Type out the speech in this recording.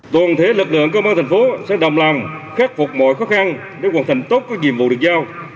tổng thể lực lượng công an thành phố sẽ đồng làm khép phục mọi khó khăn để hoàn thành tốt các nhiệm vụ được giao